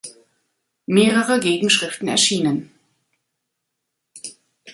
Mehrere Gegenschriften erschienen.